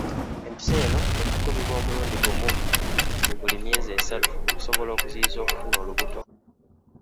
Empiso eno ekukubibwa omulundi gumu mu buli myezi esatu okusobola okuziyiza okufuna olubuto.